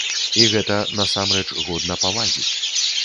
І гэта, насамрэч, годна павагі.